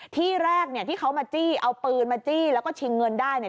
ที่แรกเนี่ยที่เขามาจี้เอาปืนมาจี้แล้วก็ชิงเงินได้เนี่ย